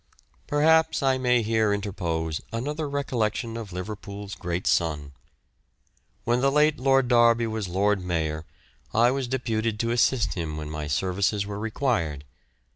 Perhaps I may here interpose another recollection of Liverpool's great son. When the late Lord Derby was Lord Mayor I was deputed to assist him when my services were required.